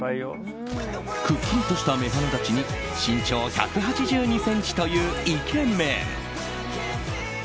くっきりとした目鼻立ちに身長１８２ｃｍというイケメン。